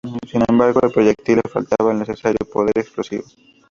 Sin embargo, al proyectil le faltaba el necesario poder explosivo.